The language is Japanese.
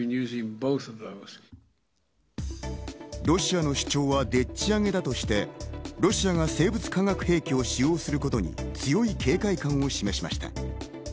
ロシアの主張はでっち上げだとして、ロシアが生物・化学兵器を使用することに強い警戒感を示しました。